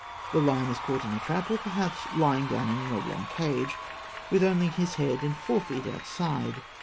The lion is caught in a trap, or, perhaps, lying down in an oblong cage, with only his head and fore feet outside.